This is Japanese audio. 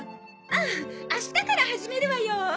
ああ明日から始めるわよ。